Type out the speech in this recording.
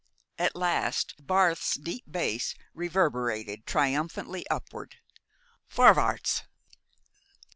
At last, Barth's deep bass reverberated triumphantly upward. "_Vorwärtz!